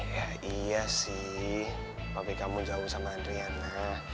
ya iya sih papi kamu jauh sama adriana